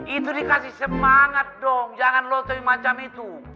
itu dikasih semangat dong jangan lo coi macam itu